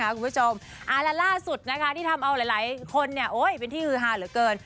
นะคะคุณผู้ชมและล่าสุดที่ทำเอาหลายคนเนี่ยโอ๊ยเป็นที่หาเหลือเกิน